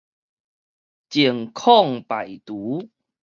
淨空排除